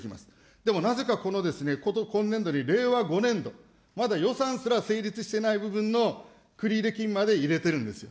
でもなぜかこの今年度の令和５年度、まだ予算すら成立してない部分の繰入金まで入れてるんですよ。